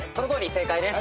正解です。